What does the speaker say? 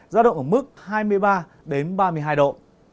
gia động ở mức hai mươi ba ba mươi hai độ